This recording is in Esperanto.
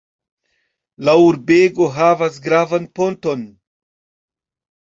La urbego havas gravan ponton.